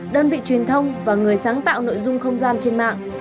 đơn vị truyền thông và người sáng tạo nội dung không gian trên mạng